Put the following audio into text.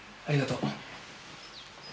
ありがとう。